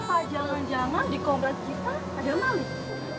pak jalan jalan di kongres kita ada malik